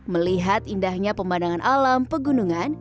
melihat indahnya pemandangan alam pegunungan